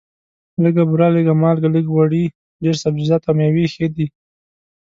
لږه بوره، لږه مالګه، لږ غوړي، ډېر سبزیجات او مېوې ښه دي.